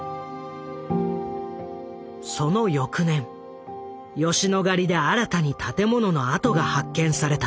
その翌年吉野ヶ里で新たに建物の跡が発見された。